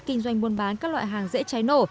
kinh doanh buôn bán các loại hàng dễ cháy nổ